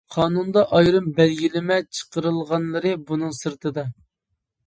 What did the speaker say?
قانۇندا ئايرىم بەلگىلىمە چىقىرىلغانلىرى بۇنىڭ سىرتىدا.